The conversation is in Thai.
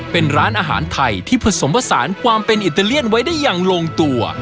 เป็นร้านอาหารไทยที่ผสมผสานความเป็นอิตาเลียนไว้ได้อย่างลงตัว